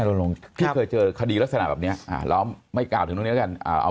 อารมณ์พี่เคยเจอคดีลักษณะแบบนี้แล้วไม่กล่าวถึงนี้กันเอา